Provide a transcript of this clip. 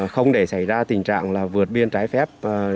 không để xảy ra tình trạng vượt biên trái phép